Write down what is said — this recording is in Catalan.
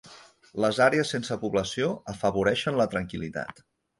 Les àrees sense població afavoreixen la tranquil·litat.